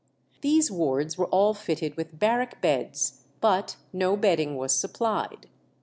These wards were all fitted with barrack beds, but no bedding was supplied.